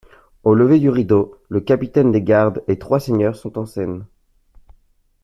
Au lever du rideau, le capitaine des gardes et trois seigneurs sont en scène.